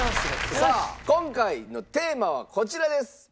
さあ今回のテーマはこちらです。